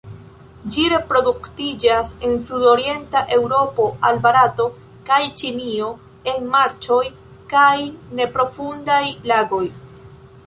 Ĝi reproduktiĝas el sudorienta Eŭropo al Barato kaj Ĉinio en marĉoj kaj neprofundaj lagoj.